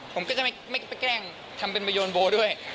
ผมก็จะไม่ไปแกล้งทำเป็นประโยนโบด้วย